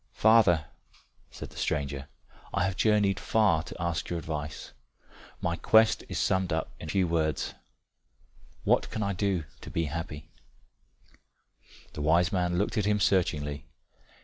"Father," said the stranger, "I have journeyed far to ask your advice. My quest is summed up in few words, What can I do to be happy?" The wise man looked at him searchingly.